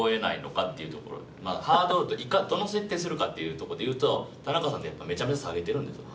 どの設定するかっていうとこでいうと田中さんってやっぱめちゃめちゃ下げてるんですよ